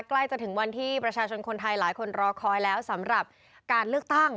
ใกล้จะถึงวันที่ประชาชนคนไทยหลายคนรอคอยแล้วสำหรับการเลือกตั้ง